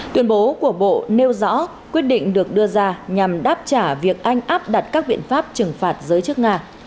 tuyên bố của bộ nêu rõ quyết định được đưa ra nhằm đáp trả việc anh áp đặt các biện pháp trừng phạt giới chức nga